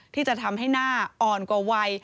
ที่จะทำให้หน้าอ่อนกว่าวัย